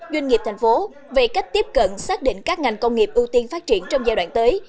doanh nghiệp thành phố về cách tiếp cận xác định các ngành công nghiệp ưu tiên phát triển trong giai đoạn tới